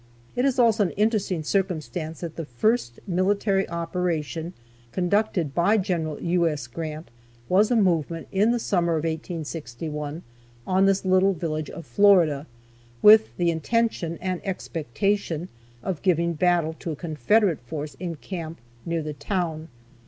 It is also an interesting circumstance that the first military operation conducted by Gen. U. S. Grant was a movement in the summer of 1861 on this little village of Florida, with the intention and expectation of giving battle to a Confederate force in camp near the town.